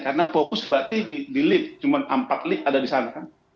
karena lopus berarti di lift cuman empat lift ada di sana kan